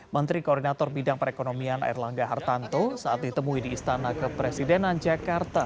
menteri koordinator bidang perekonomian erlangga hartanto saat ditemui di istana kepresidenan jakarta